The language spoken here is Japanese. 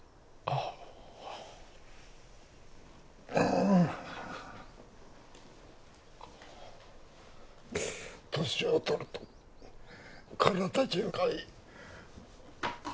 あーっ年を取ると体中かゆい